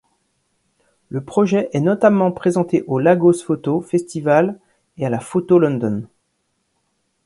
Le projet est notamment présenté au Lagos Photo Festival et à la Photo London.